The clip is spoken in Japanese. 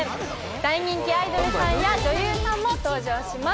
大人気アイドルさんや女優さんも登場します。